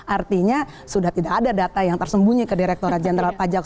artinya sudah tidak ada data yang tersembunyi ke direkturat jenderal pajak